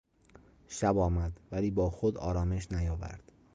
شب آمد ولی با خود آرامش نیاورد.